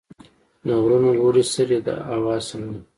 د غرونو لوړې سرې هوا سړې وي.